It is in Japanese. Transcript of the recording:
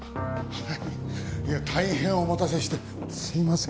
大変お待たせしてすいません。